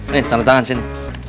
nih tangan tangan sini